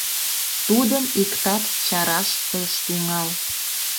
Тудым иктат чараш ыш тӱҥал.